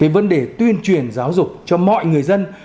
vấn đề tuyên truyền giáo dục cho mọi người dân